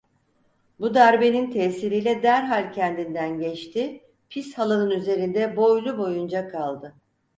Bu darbenin tesiriyle derhal kendinden geçti, pis halının üzerinde boylu boyunca kaldı.